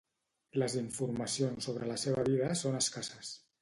Les informacions sobre la seva vida són escasses.